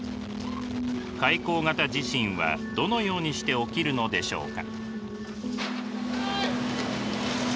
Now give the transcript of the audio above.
海溝型地震はどのようにして起きるのでしょうか。